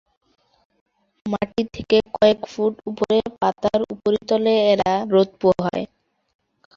মাটি থেকে কয়েক ফুট উপড়ে পাতার উপরিতলে এরা রোদ পোহায়।